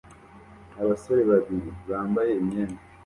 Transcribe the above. Abasore babiri bambaye imyenda